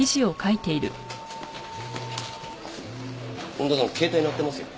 恩田さん携帯鳴ってますよ。